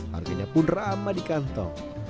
harganya pun ramah di kantong